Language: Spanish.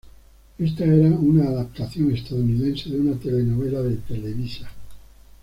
Esta era una adaptación estadounidense de una telenovela de "Televisa".